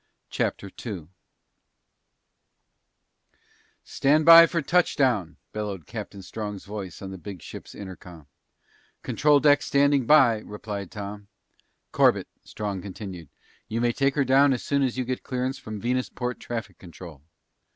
CHAPTER 2 "Stand by for touchdown!" bellowed Captain Strong's voice on the big spaceship's intercom. "Control deck standing by," replied Tom. "Corbett," Strong continued, "you may take her down as soon as you get clearance from Venusport traffic control."